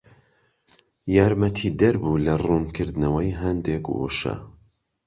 یارمەتیدەر بوو لە ڕوونکردنەوەی هەندێک وشە